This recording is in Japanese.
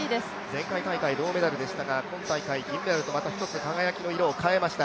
前回大会銅メダルでしたが今大会、銀メダルとまた一つ、輝きの色を変えました。